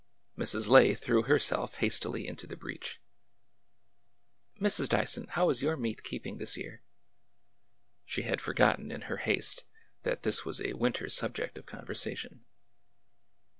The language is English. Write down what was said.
Mrs. Lay threw herself hastily into the breach. "Mrs. Dyson, how is your meat keeping this year?" She had forgotten, in her haste, that this was a winter subject of conversation.